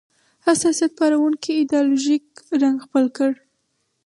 حساسیت پاروونکی ایدیالوژیک رنګ خپل کړ